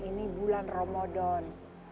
ini bulan ramadan